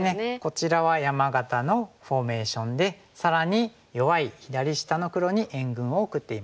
こちらは山型のフォーメーションで更に弱い左下の黒に援軍を送っています。